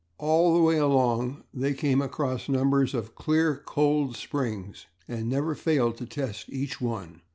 All the way along they came across numbers of clear, cold springs and never failed to test each one.